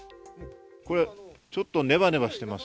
これちょっと、ねばねばしてます。